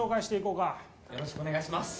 よろしくお願いします。